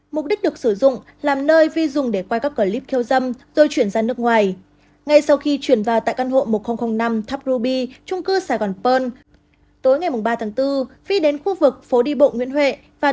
mục đích được sử dụng làm nơi vi dùng để quay các clip khiêu dâm rồi chuyển ra nước ngoài ngay sau khi chuyển vào tại căn hộ một nghìn năm tháp ruby trung cư sài gòn pơn tối ngày ba tháng bốn vi đến khu vực phố đi bộ nguyễn huệ